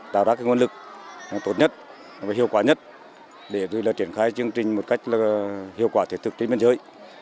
tạo ra các nguồn lực tốt nhất và hiệu quả nhất để truyền khai chương trình một cách hiệu quả thiện thực trên biên giới